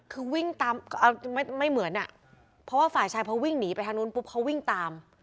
คือวิ่งตามไม่เหมือนอ่ะเพราะว่าฝ่ายชายพอวิ่งหนีไปทางนู้นปุ๊บเขาวิ่งตาม